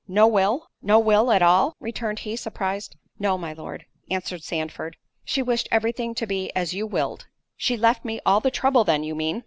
"No will? no will at all?" returned he, surprised. "No, my Lord," answered Sandford, "she wished every thing to be as you willed." "She left me all the trouble, then, you mean?"